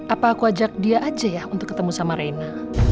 apa aku ajak dia aja ya untuk ketemu sama reina